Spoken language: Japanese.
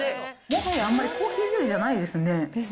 もはやあんまりコーヒーゼリーじゃないですね。